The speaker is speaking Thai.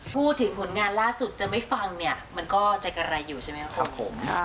พูดถึงผลงานล่าสุดจะไม่ฟังเนี่ยมันก็ใจกระไรอยู่ใช่ไหมครับผม